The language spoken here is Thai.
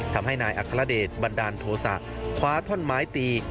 ทำให้นายอัครเดชบันดาลโทษะคว้าท่อนไม้ตี